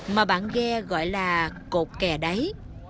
mà bạn ghe gọi là cột kè đáy